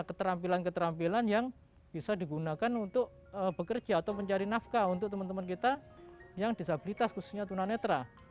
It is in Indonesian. keterampilan keterampilan yang bisa digunakan untuk bekerja atau mencari nafkah untuk teman teman kita yang disabilitas khususnya tunanetra